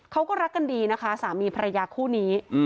เขาก็รักกันดีนะคะสามีภรรยาคู่นี้